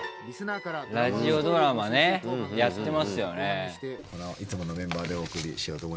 ラジオドラマねやってますよね。